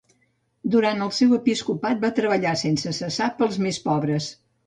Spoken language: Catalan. Durant el seu episcopat, va treballar sense cessar pels més pobres.